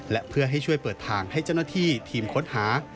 และเพื่อให้ช่วยเปิดทางให้เจ้าหน้าที่ทีมค้นหา